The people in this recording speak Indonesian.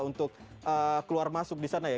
untuk keluar masuk di sana ya